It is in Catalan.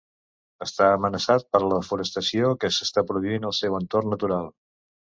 Està amenaçat per la desforestació que s'està produint al seu entorn natural.